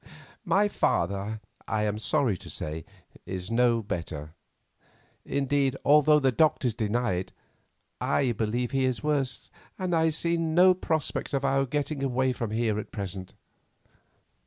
"My father, I am sorry to say, is no better; indeed, although the doctors deny it, I believe he is worse, and I see no prospect of our getting away from here at present.